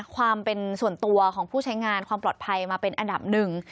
ความเป็นส่วนตัวของผู้ใช้งานความปลอดภัยมาเป็นอันดับหนึ่ง